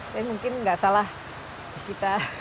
dan mungkin tidak salah kita